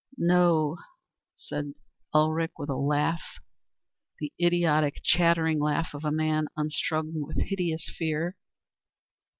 "No," said Ulrich with a laugh, the idiotic chattering laugh of a man unstrung with hideous fear.